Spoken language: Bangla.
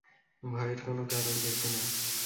ভয়ের কোনো কারণ দেখি না।